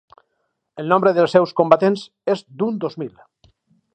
El nombre dels seus combatents és d'uns dos mil.